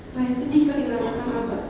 saya sedih karena masalah apa